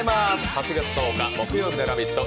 ８月１０日木曜日の「ラヴィット！」